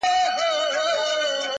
o نور خلگ پيسې گټي، پښتانه کيسې گټي.